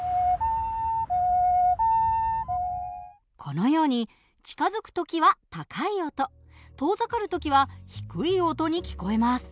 このように近づく時は高い音遠ざかる時は低い音に聞こえます。